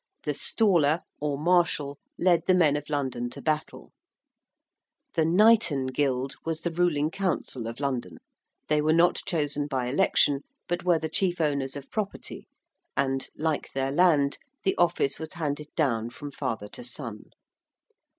~The 'Staller'~ or ~Marshal~ led the men of London to battle. ~The Knighten Guild~ was the ruling council of London: they were not chosen by election, but were the chief owners of property, and, like their land, the office was handed down from father to son.